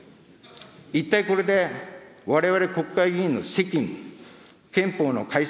一体これでわれわれ国会議員の責務、憲法の改正